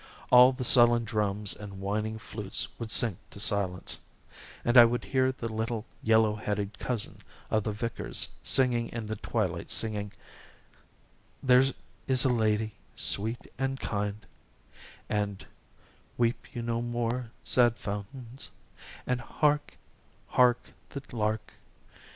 All the sullen drums and whining flutes would sink to silence, and I would hear the little yellow headed cousin of the vicar's singing in the twilight, singing, 'There is a lady, sweet and kind' and 'Weep you no more, sad fountains' and 'Hark, hark, the lark.'